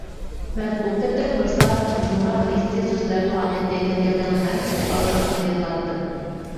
مەن ئۇ قېتىم بىر سائەتتىن ئۇزۇنراق لېكسىيە سۆزلەپ، پائالىيەتكە كەلگەنلەرنىڭ ھەممىسىنى ئازراقتىن يىغلاتتىم.